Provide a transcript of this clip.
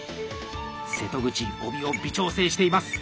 瀬戸口帯を微調整しています。